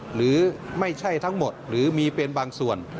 หรือไม่ใช่ทั้งหมดหรือมีเป็นบางส่วน